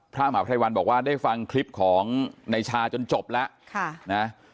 พระมหาภัยวันบอกว่าได้ฟังคลิปของนายชาจนจบแล้ว